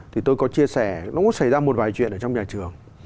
thì tôi có chia sẻ nó có xảy ra một vài chuyện ở trong nhà trường